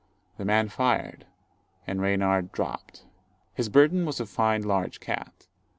The man fired, and Reynard dropped. His burden was a fine large cat.